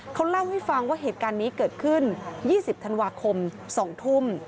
เขาเล่าให้ฟังว่าเหตุการณ์นี้เกิดขึ้น๒๐ธันวาคม๒ทุ่ม